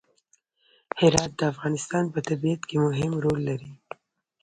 هرات د افغانستان په طبیعت کې مهم رول لري.